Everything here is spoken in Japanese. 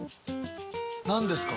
何ですか？